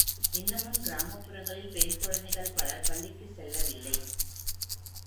இன்னமும் கிராமப்புறங்களில் பெண் குழந்தைகள் பலர் பள்ளிக்குச் செல்லவில்லை.